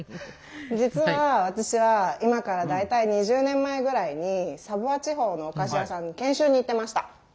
実は私は今から大体２０年前ぐらいにサヴォワ地方のお菓子屋さんに研修に行ってました。